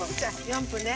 ４分ね。